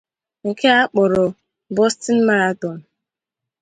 nke a kpọrọ Boston marathon